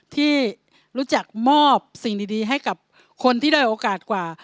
ที่รู้จักมอบสิ่งดีให้กับคนที่ได้โอกาสกว่า